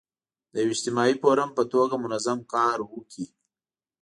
د یو اجتماعي فورم په توګه منظم کار وکړي.